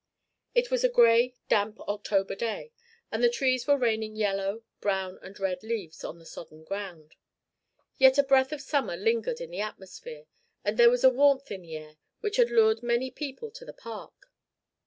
It was a gray, damp October day, and the trees were raining yellow, brown and red leaves on the sodden ground. Yet a breath of summer lingered in the atmosphere, and there was a warmth in the air which had lured many people to the Park.